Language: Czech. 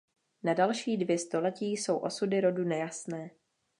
Na další dvě století jsou osudy rodu nejasné.